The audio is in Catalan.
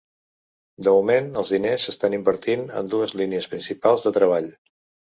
De moment els diners s’estan invertint en dues línies principals de treball.